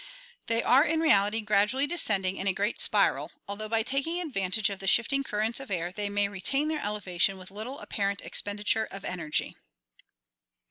They are in reality gradually descending in a great spiral, although by taking advantage of the shifting currents of air they may retain their elevation with little apparent expenditure of energy.